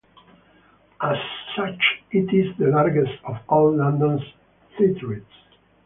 As such it is the largest of all London's theatres.